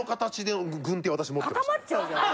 固まっちゃうじゃん。